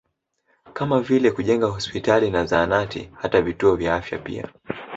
Kama vile kujenga hospitali na zahanati hata vituo vya afya pia